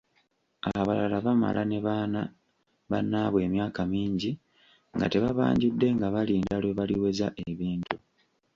Abalala bamala ne baana bannaabwe emyaka mingi nga tebabanjudde nga balinda lwe baliweza ebintu.